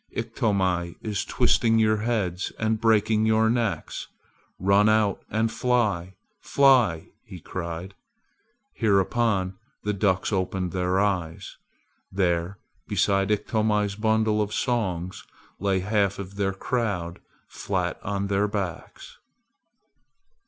Iktomi is twisting your heads and breaking your necks! Run out and fly! fly!" he cried. Hereupon the ducks opened their eyes. There beside Iktomi's bundle of songs lay half of their crowd flat on their backs.